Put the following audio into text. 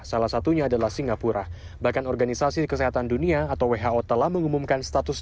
salah satunya adalah singapura bahkan organisasi kesehatan dunia atau who telah mengumumkan status